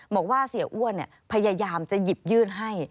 บอกว่าเสียอ้วนพยายามจะหยิบยื่นให้